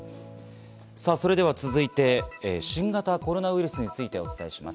それでは続いて新型コロナウイルスについてお伝えします。